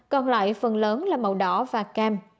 còn lại phần lớn là màu đỏ và cam